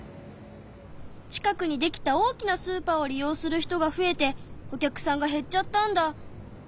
近くにできた大きなスーパーを利用する人が増えてお客さんが減っちゃったんだ。